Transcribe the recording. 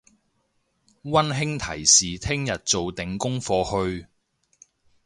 溫馨提示聽日做定功課去！